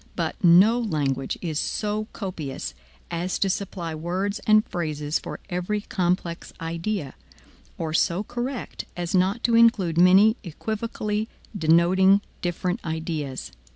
But no language is so copious as to supply words and phrases for every complex idea, or so correct as not to include many equivocally denoting different ideas.